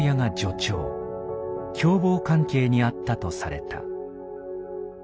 共謀関係にあったとされた。